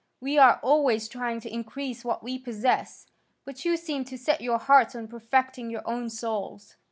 We are always trying to increase what we possess, but you seem to set your hearts on perfecting your own souls."